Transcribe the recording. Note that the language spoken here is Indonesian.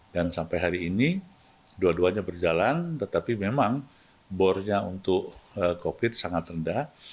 dan sampai hari ini dua duanya berjalan tetapi memang boardnya untuk covid sangat rendah